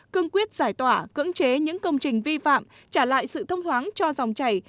cương quyết giải tỏa cưỡng chế những công trình vi phạm trả lại sự thông thoáng cho dòng chảy